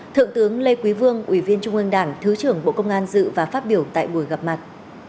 thượng tướng lê quý vương ủy viên trung ương đảng thứ trưởng bộ công an dự và phát biểu tại buổi gặp mặt